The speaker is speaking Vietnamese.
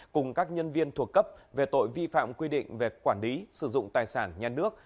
cùng các nhân viên thuộc cấp về tội vi phạm quy định về quản lý sử dụng tài sản nhà nước